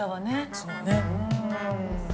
そうね。